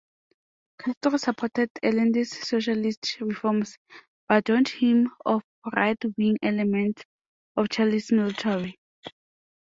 Castro supported Allende's socialist reforms, but warned him of right-wing elements in Chile's military.